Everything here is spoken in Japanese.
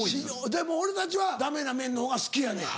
でも俺たちはダメな麺の方が好きやねん。